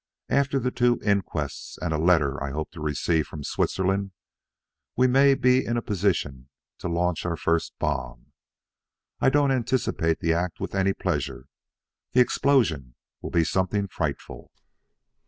After the two inquests and a letter I hope to receive from Switzerland, we may be in a position to launch our first bomb. I don't anticipate the act with any pleasure; the explosion will be something frightful."